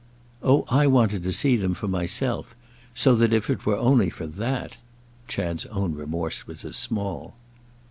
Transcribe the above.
"Oh I wanted to see them for myself; so that if it were only for that—!" Chad's own remorse was as small.